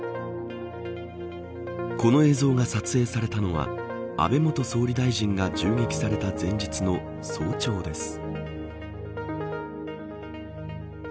この映像が撮影されたのは安倍元総理大臣が銃撃された前日の早朝です。